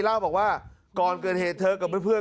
เล่าบอกว่ากรเกิดเดชเทอร์กับเพื่อน